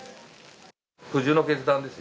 苦渋の決断ですよ。